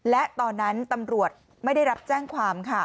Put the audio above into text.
และตอนนั้นตำรวจไม่ได้รับแจ้งความค่ะ